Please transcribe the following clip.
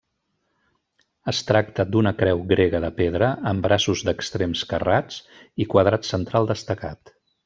Es tracta d'una creu grega de pedra amb braços d'extrems carrats i quadrat central destacat.